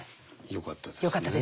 よかったですね。